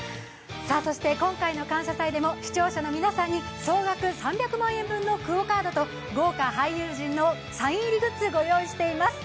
そして今回の「感謝祭」でも視聴者の皆さんに総額３００万円分のＱＵＯカードと豪華俳優陣のサイン入りグッズご用意しています